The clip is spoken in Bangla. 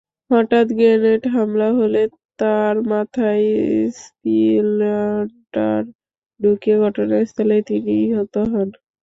হঠাৎ গ্রেনেড হামলা হলে তাঁর মাথায় স্প্লিন্টার ঢুকে ঘটনাস্থলেই তিনি নিহত হন।